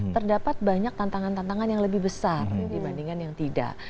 terdapat banyak tantangan tantangan yang lebih besar dibandingkan yang tidak